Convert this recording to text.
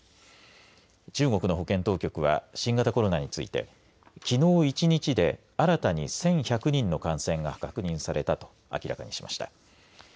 中国の保健当局は新型コロナについてきのう１日で新たに１１００人の感染が確認されたと明らかにしました。